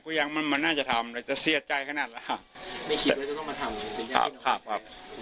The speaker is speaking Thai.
กูยังมันมันน่าจะทำเลยจะเสียใจขนาดแล้วไม่คิดว่าจะต้องมาทำ